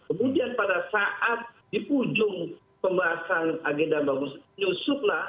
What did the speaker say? kemudian pada saat di ujung pembahasan agenda bamus menyusuklah